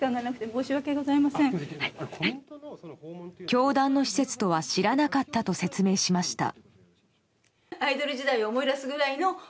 教団の施設とは知らなかったと説明しました。